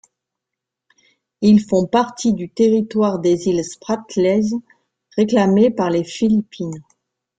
Ils font partie du territoire des îles Spratleys réclamé par les Philippines.